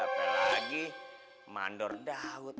apalagi mandor daud